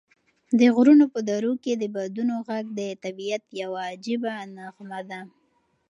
د غرونو په درو کې د بادونو غږ د طبعیت یوه عجیبه نغمه ده.